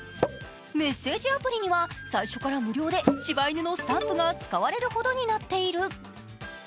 メッセージアプリには最初から無料でしば犬のスタンプが使われるほどになっている。